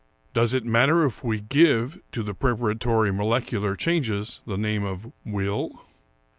Does it matter if we give to the preparatory molecular changes the name of will